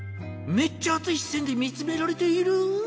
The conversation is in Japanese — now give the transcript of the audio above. めっちゃ熱い視線で見つめられているぅ！